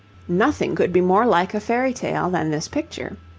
Nothing could be more like a fairy tale than this picture.